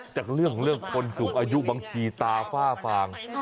จากเรื่องของคนสูงอายุบางทีตาฝ้าฟาง